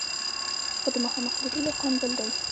خو د مخامخ لیدلو خوند بل دی.